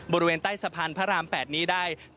บริเวณใต้สะพานพระราม๘นี้ได้